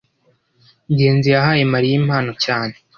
ngenzi yahaye mariya impano cyane